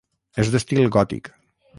És d'estil gòtic.